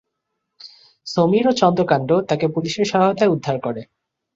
সমীর ও চন্দ্রকান্ত তাকে পুলিশের সহায়তায় উদ্ধার করে।